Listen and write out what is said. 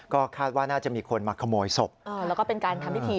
ก็คาดว่าน่าจะมีคนมาขโมยศพแล้วก็เป็นการทำพิธี